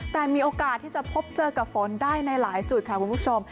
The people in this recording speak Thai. แต่มีโอกาสที่จะพบเจอกับฝนได้ในหลายจุดค่ะคุณผู้ชม